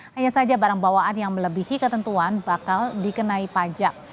hanya saja barang bawaan yang melebihi ketentuan bakal dikenai pajak